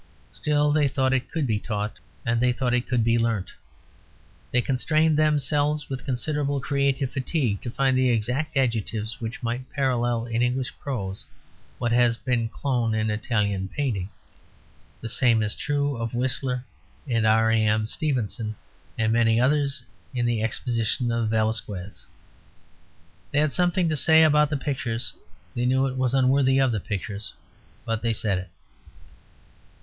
Still, they thought it could be taught: they thought it could be learnt. They constrained themselves, with considerable creative fatigue, to find the exact adjectives which might parallel in English prose what has been clone in Italian painting. The same is true of Whistler and R. A. M. Stevenson and many others in the exposition of Velasquez. They had something to say about the pictures; they knew it was unworthy of the pictures, but they said it.